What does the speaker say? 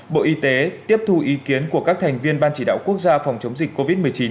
bộ y tế tiếp thu ý kiến của các thành viên ban chỉ đạo quốc gia phòng chống dịch covid một mươi chín